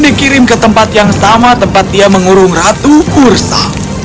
dikirim ke tempat yang sama tempat dia mengurung ratu ursa